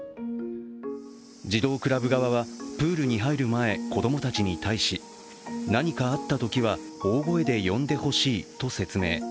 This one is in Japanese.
児童クラブ側は、プールに入る前、子供たちに対し何かあったときは、大声で呼んでほしいと説明。